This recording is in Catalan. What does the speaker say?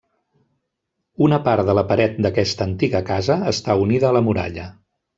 Una part de la paret d'aquesta antiga casa està unida a la muralla.